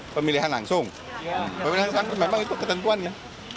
pemilihan langsung pemilihan langsung memang itu ketentuannya